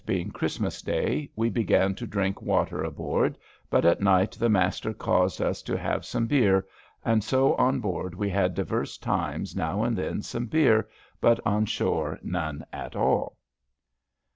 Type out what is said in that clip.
being Christmas day, we began to drinke water aboord, but at night the Master caused vs to have some Beere, and so on board we had diverse times now and then some Beere, but on shore none at all."